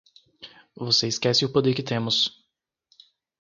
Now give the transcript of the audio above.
Você esquece o poder que temos.